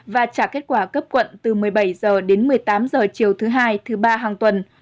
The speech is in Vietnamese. và trả kết quả cấp quận từ một mươi bảy h đến một mươi tám h chiều thứ hai thứ ba hàng tuần